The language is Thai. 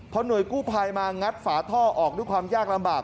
พอหน่วยกู้ภัยมางัดฝาท่อออกด้วยความยากลำบาก